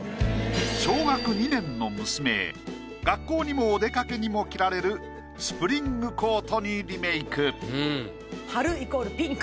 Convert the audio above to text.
小学２年の娘へ学校にもお出かけにも着られるスプリングコートにリメイク。